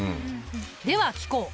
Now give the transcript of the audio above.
では聞こう。